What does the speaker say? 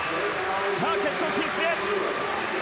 決勝進出へ。